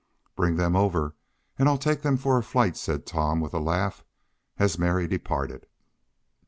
"Bring them over, and I'll take them for a flight," said Tom, with a laugh, as Mary departed.